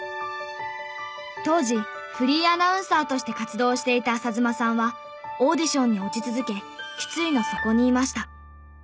当時フリーアナウンサーとして活動をしていた朝妻さんはオーディションに落ち続け失意の底にいました。